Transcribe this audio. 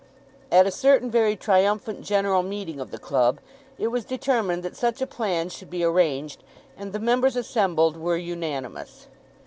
At a certain very triumphant general meeting of the club it was determined that such a plan should be arranged, and the members assembled were unanimous.